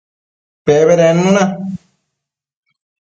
Pebedednu na